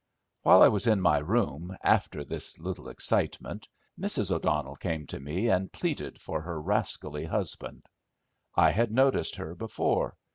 While I was in my room, after this little excitement, Mrs. O'Donnell came to me and pleaded for her rascally husband. I had noticed her before.